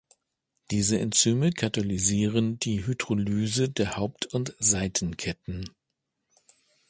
Diese Enzyme katalysieren die Hydrolyse der Haupt- und Seitenketten.